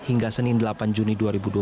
hingga senin delapan juni dua ribu dua puluh